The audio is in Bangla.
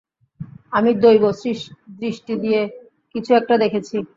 আমি দৈব দৃষ্টি দিয়ে কিছু একটা দেখেছি!